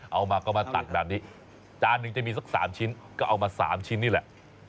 เอามาก็มาตัดแบบนี้จานหนึ่งจะมีสัก๓ชิ้นก็เอามา๓ชิ้นนี่แหละ